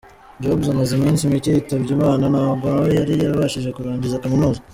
Jobs amaze iminsi mike yitabye Imana, ntabwo nawe yari yarabashije kurangiza kaminuza.